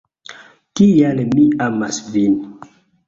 Tial mi amas vin